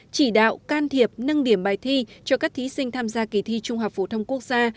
chỉ đạo can thiệp nâng điểm bài thi cho các thí sinh tham gia kỳ thi trung học phổ thông quốc gia